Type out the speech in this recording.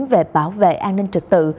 về bảo vệ an ninh trực tự